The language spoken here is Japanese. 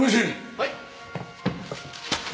はい！